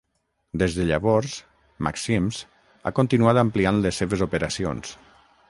Des de llavors, Maxim's ha continuat ampliant les seves operacions.